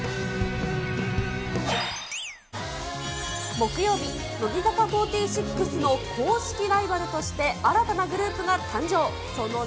木曜日、乃木坂４６の公式ライバルとして新たなグループが誕生。